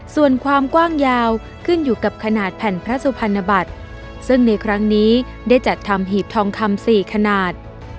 ส่วนความกว้างยาวขึ้นอยู่กับขนาดแผ่นพระสุพรรณบัตรซึ่งในครั้งนี้ได้จัดทำหีบทองคำสี่ขนาด